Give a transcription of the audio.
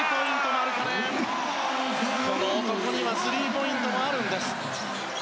マルカネン、この男にはスリーポイントもあるんです。